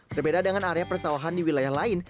berbeda dengan area persawahan di wilayah lain